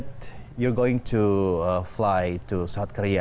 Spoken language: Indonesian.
bahwa saya ingin mengingatkan kepada anda